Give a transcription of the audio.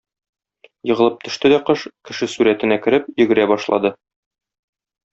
Егылып төште дә кош, кеше сурәтенә кереп, йөгерә башлады.